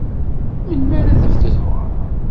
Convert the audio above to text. Melmi ara tebdu tmeɣra?